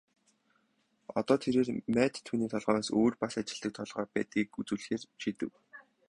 Одоо тэрээр Мад түүний толгойноос өөр бас ажилладаг толгой байдгийг үзүүлэхээр шийдэв.